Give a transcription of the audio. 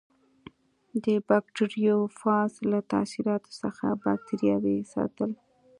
د بکټریوفاژ له تاثیراتو څخه باکتریاوې ساتي.